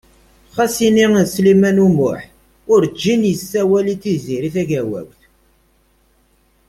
Xas ini Sliman U Muḥ wurǧin yessawel i Tiziri Tagawawt.